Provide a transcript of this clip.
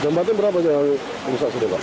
jembatan berapa jauh rusak sudah pak